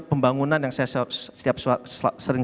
pembangunan yang saya sering